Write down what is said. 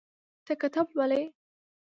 ته کتاب لولې.